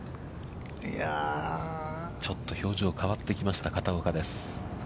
ちょっと表情が変わってきました、片岡です。